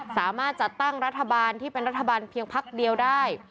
สามารถจัดตั้งรัฐบาลที่เป็นรัฐบาลเพียงพักเดียวได้